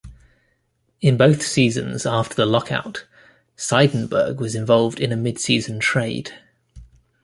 In both seasons after the lockout, Seidenberg was involved in a midseason trade.